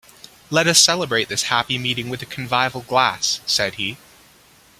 ‘Let us celebrate this happy meeting with a convivial glass,’ said he.